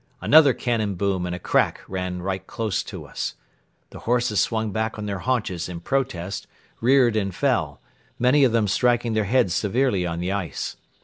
Another cannon boom and a crack ran right close to us. The horses swung back on their haunches in protest, reared and fell, many of them striking their heads severely on the ice.